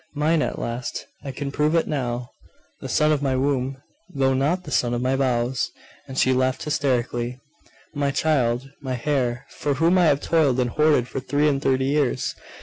Mine at last! I can prove it now! The son of my womb, though not the son of my vows!' And she laughed hysterically. 'My child, my heir, for whom I have toiled and hoarded for three and thirty years!